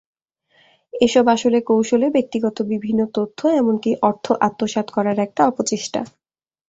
এসব আসলে কৌশলে ব্যক্তিগত বিভিন্ন তথ্য এমনকি অর্থ আত্মসাত্ করার একটা অপচেষ্টা।